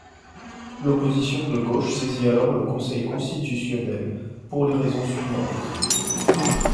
L'opposition de gauche saisit alors le Conseil constitutionnel, pour les raisons suivantes.